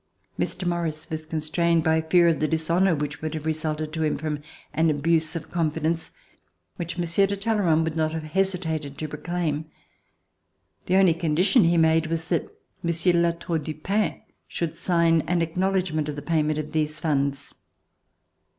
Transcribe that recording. Mr. Morris was constrained by fear of the dishonor which would have resulted to him from an abuse of confidence, which Monsieur de Talley [221 ] RECOLLECTIONS OF THE REVOLUTION rand would not have hesitated to proclaim. The only condition he made was that Monsieur de La Tour du Pin should sign an acknowledgement of the payment of these funds.